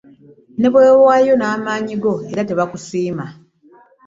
Ne bwe weewaayo n'amaanyi go era tebakusiima.